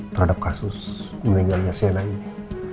terhadap kasus meninggalnya sena ini